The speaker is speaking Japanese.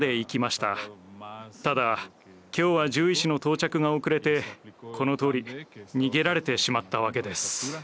ただ今日は獣医師の到着が遅れてこのとおり逃げられてしまったわけです。